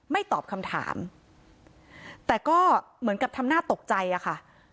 ตอบคำถามแต่ก็เหมือนกับทำหน้าตกใจอะค่ะ